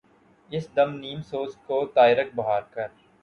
اس دم نیم سوز کو طائرک بہار کر